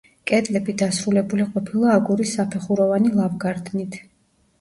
კედლები დასრულებული ყოფილა აგურის საფეხუროვანი ლავგარდნით.